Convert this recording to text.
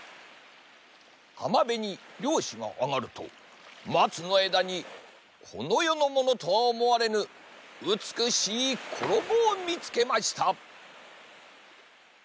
はまべにりょうしがあがるとまつのえだにこのよのものとはおもわれぬうつくしいころもをみつけました。